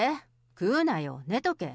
食うなよ、寝とけ。